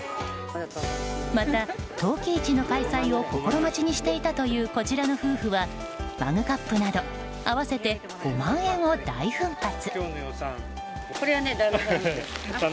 また陶器市の開催を心待ちにしていたというこちらの夫婦はマグカップなど合わせて５万円を大奮発。